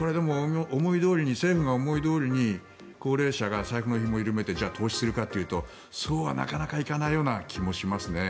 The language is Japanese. これでも、政府の思いどおりに高齢者が財布のひもを緩めてじゃあ投資するかというとそうはなかなか行かない気もしますね。